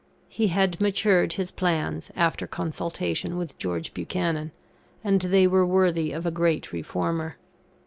He had matured his plans, after consultation with George Buchanan, and they were worthy of a great reformer.